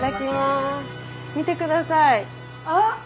あっ！